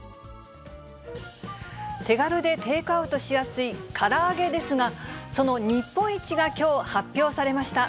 手軽でテイクアウトしやすいから揚げですが、その日本一がきょう発表されました。